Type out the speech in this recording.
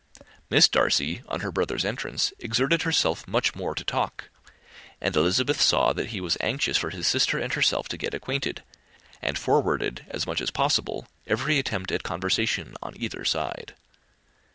Miss Darcy, on her brother's entrance, exerted herself much more to talk; and Elizabeth saw that he was anxious for his sister and herself to get acquainted, and forwarded, as much as possible, every attempt at conversation on either side.